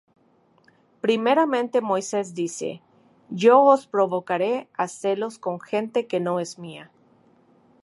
Primeramente Moisés dice: Yo os provocaré á celos con gente que no es mía;